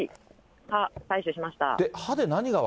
歯、採取しました。